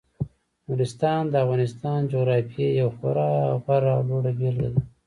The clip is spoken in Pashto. نورستان د افغانستان د جغرافیې یوه خورا غوره او لوړه بېلګه ده.